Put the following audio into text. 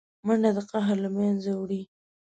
منډه د قهر له منځه وړي